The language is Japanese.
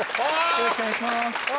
よろしくお願いしますあ